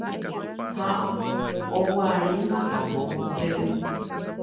Ha oguaríma katu upégui.